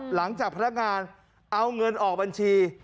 หลังจากพนักงานเอาเงินออกบัญชี